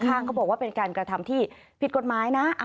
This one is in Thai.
เขาบอกว่าเป็นการกระทำที่ผิดกฎหมายนะ